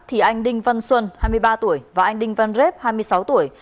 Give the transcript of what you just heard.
thì anh đinh văn xuân hai mươi ba tuổi và anh đinh văn rếp hai mươi sáu tuổi